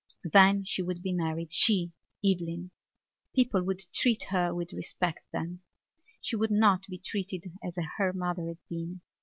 Then she would be married—she, Eveline. People would treat her with respect then. She would not be treated as her mother had been.